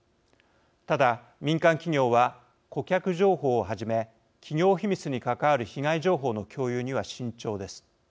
ただ、民間企業は顧客情報をはじめ企業秘密に関わる被害情報の共有には慎重です。